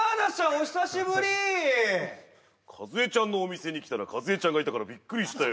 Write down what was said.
お久しぶりカズエちゃんのお店に来たらカズエちゃんがいたからビックリしたよ